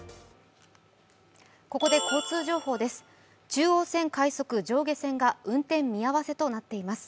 ここで交通情報です。